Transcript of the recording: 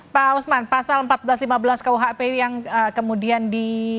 pak usman pasal empat belas lima belas kuhp yang kemudian di